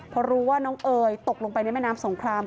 พอรู้ว่าน้องเอ๋ยตกลงไปในแม่น้ำสงคราม